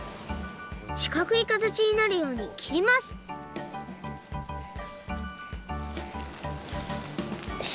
しかくいかたちになるようにきりますよし。